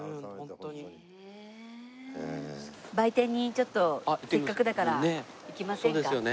売店にちょっとせっかくだから行きませんか？